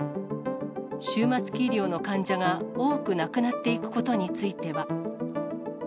終末期医療の患者が多く亡くなっていくことについては。